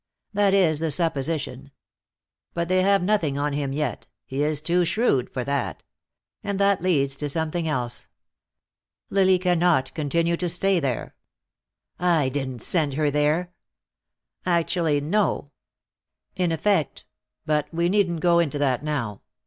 "That is the supposition. But they have nothing on him yet; he is too shrewd for that. And that leads to something else. Lily cannot continue to stay there." "I didn't send her there." "Actually, no. In effect but we needn't go into that now.